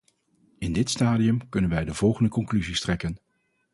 In dit stadium kunnen wij de volgende conclusies trekken.